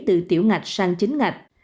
từ tiểu ngạch sang chính ngạch